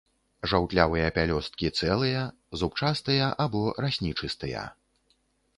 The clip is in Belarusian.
Жаўтлявыя пялёсткі цэлыя, зубчастыя або раснічастыя.